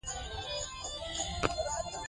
خلک یې د خوشاله ژوند کولو هنر زده بللی.